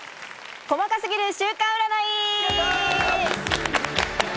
細かすぎる週間占い！